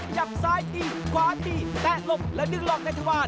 ขยับซ้ายทีขวาทีแตะลบและดึงรอบในทวาร